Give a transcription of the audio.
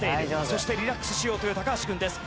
そしてリラックスしようという橋君です。